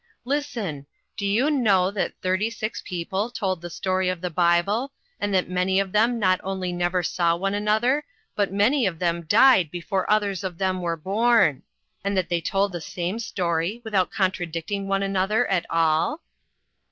" Listen ! Did you know that thirtj' six people told the story of the Bible, and that many of them not only never saw one an BUD AS A TEACHER. 315 Other, but many of them died before others of them were born ; and that they told the same story, without contradicting one another at all?"